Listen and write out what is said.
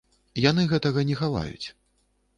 Яны гэтага не хаваюць.